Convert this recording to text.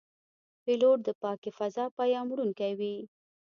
پیلوټ د پاکې فضا پیاموړونکی وي.